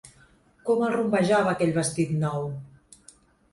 Com el rumbejava, aquell vestit nou!